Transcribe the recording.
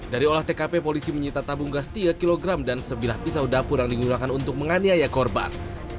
dari olah tkp polisi menyita tabung gas tiga kg dan sebilah pisau dapur yang digunakan untuk menganiaya korban